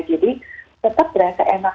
jadi tetap berasa enak